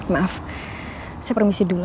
maaf saya permisi dulu